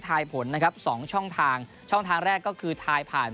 ผลนะครับสองช่องทางช่องทางแรกก็คือทายผ่าน